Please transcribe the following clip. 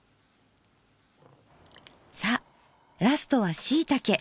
さあラストはしいたけ。